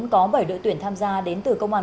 có bảy đội tuyển tham gia đến từ công an